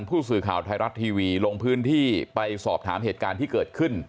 ผู้สื่อข่าวไทยรัฐทีวีลงพื้นที่ไปสอบถามเหตุการณ์ที่เกิดขึ้น